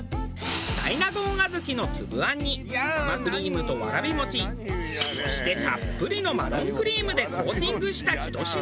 大納言小豆のつぶ餡に生クリームとわらび餅そしてたっぷりのマロンクリームでコーティングしたひと品。